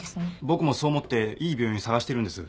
僕もそう思っていい病院を探してるんです。